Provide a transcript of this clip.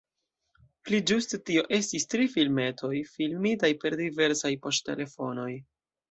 Pli ĝuste tio estis tri filmetoj, filmitaj per diversaj poŝtelefonoj.